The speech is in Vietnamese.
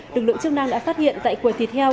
lực lượng chức năng đã phát hiện tại quầy thịt heo